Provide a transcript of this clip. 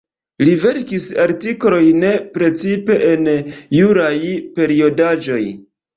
Li verkis artikolojn precipe en juraj periodaĵoj.